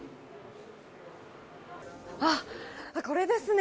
あっ、これですね。